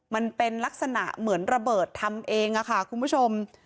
มันเป็นลักษณะเหมือนระเบิดทำเองค่ะคุณผู้ชม